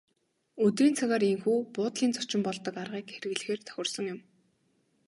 Өдрийн цагаар ийнхүү буудлын зочин болдог аргыг хэрэглэхээр тохирсон юм.